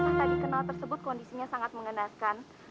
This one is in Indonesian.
jenazah tadi kenal tersebut kondisinya sangat mengenaskan